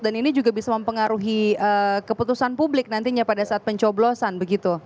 dan ini juga bisa mempengaruhi keputusan publik nantinya pada saat pencoblosan begitu